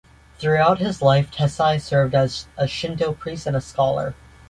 Throughout his life, Tessai served as a Shinto priest and a scholar.